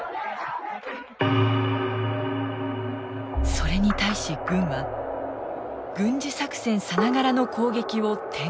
それに対し軍は軍事作戦さながらの攻撃を展開したのです。